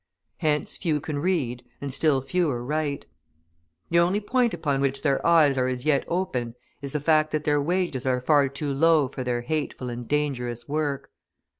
Hence, few can read and still fewer write. The only point upon which their eyes are as yet open is the fact that their wages are far too low for their hateful and dangerous work.